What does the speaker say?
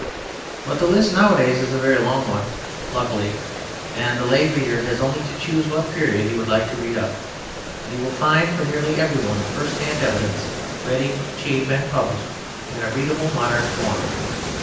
But the list nowadays is a very long one, luckily, and the lay reader has only to choose what period he would like to read up, and he will find for nearly every one first hand evidence ready, cheap and published in a readable modern form.